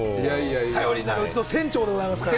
頼りになるうちの船長でございますから。